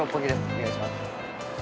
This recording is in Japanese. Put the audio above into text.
お願いします。